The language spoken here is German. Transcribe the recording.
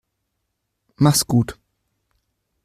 Mach's gut.